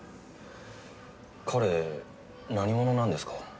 彼何者なんですか？